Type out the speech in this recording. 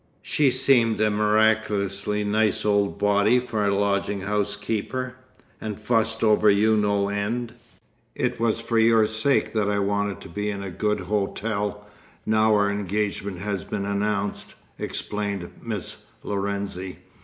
She seemed a miraculously nice old body for a lodging house keeper, and fussed over you no end " "It was for your sake that I wanted to be in a good hotel, now our engagement has been announced," explained Miss Lorenzi.